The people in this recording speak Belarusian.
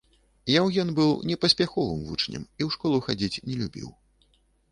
Яўген быў непаспяховым вучнем і ў школу хадзіць не любіў.